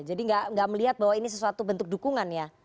jadi enggak melihat bahwa ini sesuatu bentuk dukungan ya